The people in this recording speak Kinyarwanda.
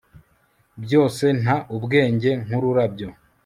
Byose nta ubwenge nkururabyo